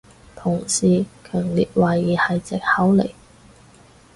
同事強烈懷疑係藉口嚟